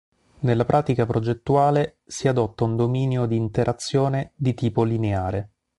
Nella pratica progettuale, si adotta un dominio di interazione di tipo lineare.